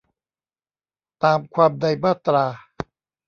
ตามความในมาตรา